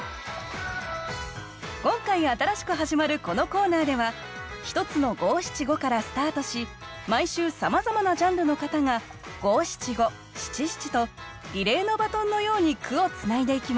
今回新しく始まるこのコーナーでは１つの５７５からスタートし毎週さまざまなジャンルの方が５７５７７とリレーのバトンのように句をつないでいきます。